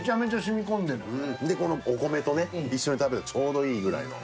でこのお米とね一緒に食べるとちょうどいいぐらいの。